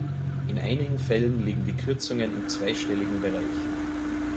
In einigen Fällen liegen die Kürzungen im zweistelligen Bereich.